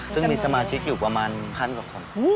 ซึ่งมีสมาชิกอยู่ประมาณพันกว่าคน